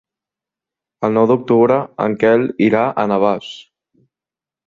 El nou d'octubre en Quel irà a Navàs.